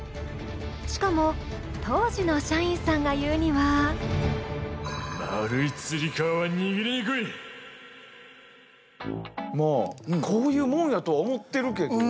しかも当時の社員さんが言うにはまあこういうもんやと思ってるけど。